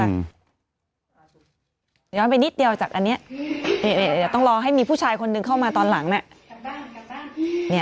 เดี๋ยวย้อนไปนิดเดียวจากอันนี้เดี๋ยวต้องรอให้มีผู้ชายคนหนึ่งเข้ามาตอนหลัง